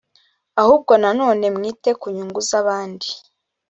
ahubwo nanone mwite ku nyungu z abandi